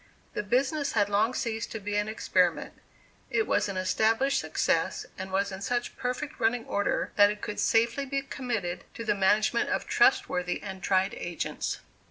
The business had long ceased to be an experiment; it was an established success and was in such perfect running order, that it could safely be committed to the management of trustworthy and tried agents.